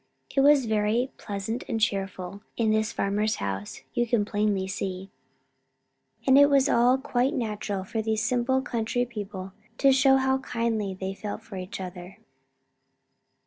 It was very pleasant and cheerful in this farmer's house, you can plainly see; and it was all quite natural for these simple country people to show how kindly they felt for each other.